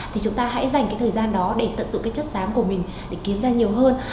thì chúng ta hãy dành cái thời gian đó để tận dụng cái chất sáng của mình để kiếm ra nhiều hơn